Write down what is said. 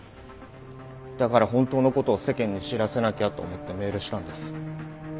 だから本当の事を世間に知らせなきゃと思ってメールしたんです。